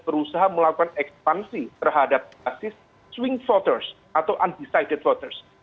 berusaha melakukan ekspansi terhadap basis swing voters atau undecided voters